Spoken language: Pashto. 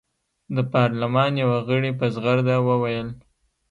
د پارلمان یوه غړي په زغرده وویل.